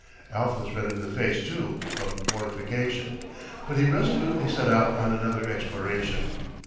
Alf was red in the face, too, from mortification; but he resolutely set out on another exploration.